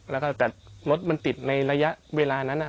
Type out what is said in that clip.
แล้วก็แต่รถมันติดในระยะเวลานั้น